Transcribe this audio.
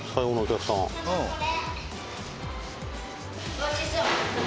おいしそう！